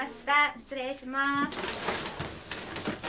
失礼します。